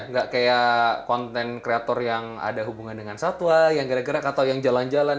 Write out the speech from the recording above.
nggak kayak konten kreator yang ada hubungan dengan satwa yang gerak gerak atau yang jalan jalan